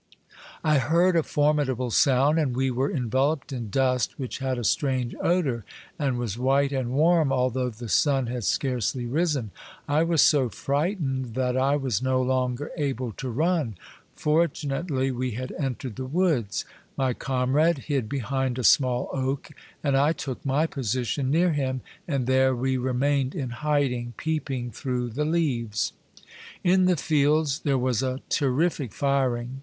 I heard a for midable sound, and we were enveloped in dust which had a strange odor, and was white and warm although the sun had scarcely risen. I was so frightened that I was no longer able to run. For tunately, we had entered the woods. My comrade hid behind a small oak, and I took my position near him, and there we remained in hiding, peep ing through the leaves. In the fields there was a terrific firing.